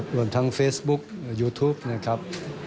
รวมทั้งเฟซบุ๊กยูทูปนะครับ